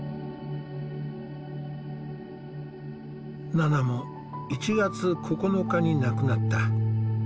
ナナも１月９日に亡くなった。